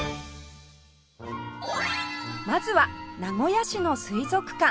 まずは名古屋市の水族館